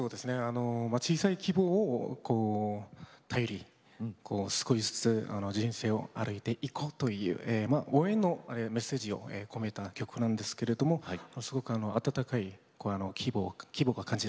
小さい希望をこう頼りに少しずつ人生を歩いていこうという応援のメッセージを込めた曲なんですけれどもすごく温かい希望が感じられるバラードの曲でございます。